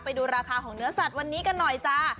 ไปดูราคาของเนื้อสัตว์วันนี้กันหน่อยจ้า